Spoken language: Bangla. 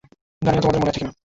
জানি না তোমাদের মনে আছে কিনা।